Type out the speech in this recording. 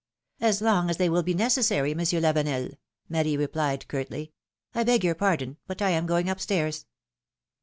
'^As long as they will be necessary. Monsieur Lavenel," Marie replied, curtly. ''1 beg your pardon, but I am going up stairs."